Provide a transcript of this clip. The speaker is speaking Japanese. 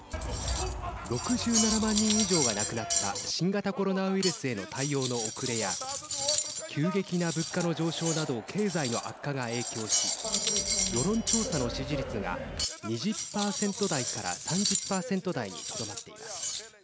６７万人以上が亡くなった新型コロナウイルスへの対応の遅れや急激な物価の上昇など経済の悪化が影響し世論調査の支持率が２０％台から３０％台にとどまっています。